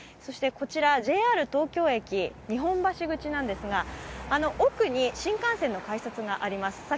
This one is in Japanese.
こちらＪＲ東京駅日本橋口なんですがあの奥に新幹線の改札があります。